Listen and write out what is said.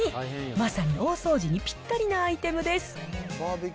まさに大掃除にぴったりなアイテムです。